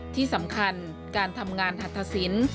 ที่สำคัญการทำงานหัตถสิน